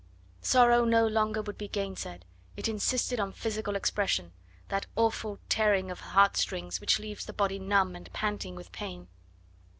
Sorrow no longer would be gainsaid, it insisted on physical expression that awful tearing of the heart strings which leaves the body numb and panting with pain.